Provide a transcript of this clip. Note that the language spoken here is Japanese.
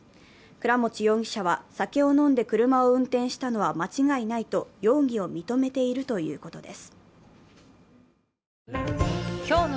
倉持容疑者は酒を飲んで車を運転したのは間違いないと容疑を認めているということです。